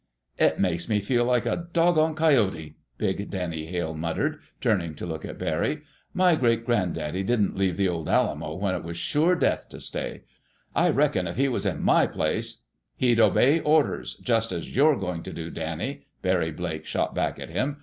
"It makes me feel like a doggone coyote!" big Danny Hale muttered, turning to look at Barry. "My great gran'daddy didn't leave the old Alamo, when it was sure death to stay. I reckon if he was in my place—" "He'd obey orders, just as you're going to do, Danny," Barry Blake shot back at him.